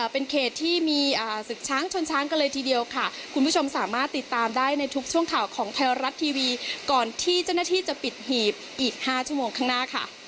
เป็นเขตที่มีศึกช้างชนช้างกันเลยทีเดียวค่ะคุณผู้ชมสามารถติดตามได้ในทุกช่วงข่าวของไทยรัฐทีวีก่อนที่เจ้าหน้าที่จะปิดหีบอีก๕ชั่วโมงข้างหน้าค่ะ